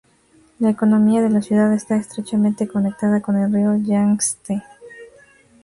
La economía de la ciudad está estrechamente conectada con el río Yangtze.